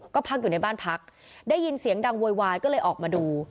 ก็พักอยู่ในบ้านพักได้ยินเสียงดังโวยวายก็เลยออกมาดู